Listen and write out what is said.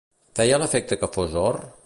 Feia l'efecte que fos or?